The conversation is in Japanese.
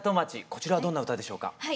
こちらはどんな歌でしょうか？